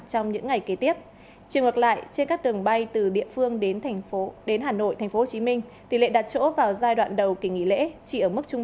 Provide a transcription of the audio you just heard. đây là các đường bay nằm trong nhóm có tỷ lệ đặt chỗ cao xuyên suốt cả kỷ nghỉ lễ ba mươi tháng năm